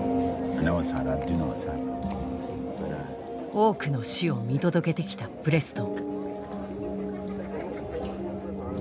多くの死を見届けてきたプレストン。